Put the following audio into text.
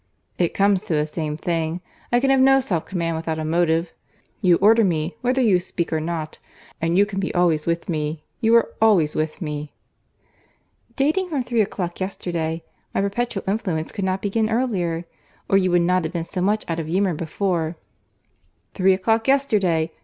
"It comes to the same thing. I can have no self command without a motive. You order me, whether you speak or not. And you can be always with me. You are always with me." "Dating from three o'clock yesterday. My perpetual influence could not begin earlier, or you would not have been so much out of humour before." "Three o'clock yesterday!